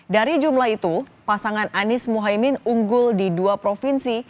dari jumlah itu pasangan anies mohaimin unggul di dua provinsi